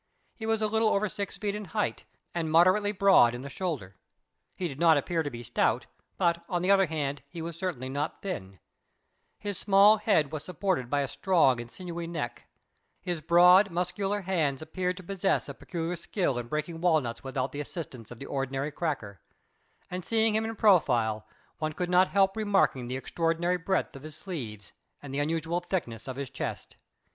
He was a little over six feet in height, and moderately broad in the shoulder; he did not appear to be stout, but, on the other hand, he was certainly not thin; his small head, was supported by a strong and sinewy neck; his broad, muscular hands appeared to possess a peculiar skill in breaking walnuts without the assistance of the ordinary cracker, and seeing him in profile, one could not help remarking the extraordinary breadth of his sleeves, and the unusual thickness of his chest.